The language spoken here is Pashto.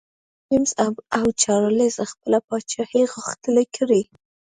لومړی جېمز او چارلېز خپله پاچاهي غښتلي کړي.